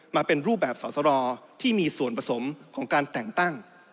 มาเป็นรูปแบบสอสรที่มีส่วนผสมของการแต่งตั้ง